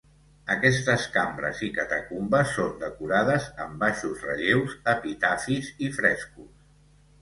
Aquestes cambres i catacumbes són decorades amb baixos relleus, epitafis i frescos.